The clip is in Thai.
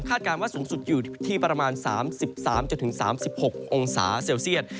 การว่าสูงสุดอยู่ที่ประมาณ๓๓๖องศาเซลเซียต